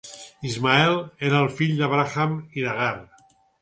Ismael era el fill d'Abraham i d'Agar.